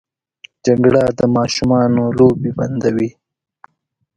جګړه د ماشومانو لوبې بندوي